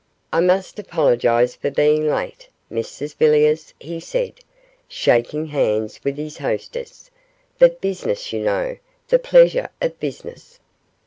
'I must apologise for being late, Mrs Villiers,' he said, shaking hands with his hostess; 'but business, you know, the pleasure of business.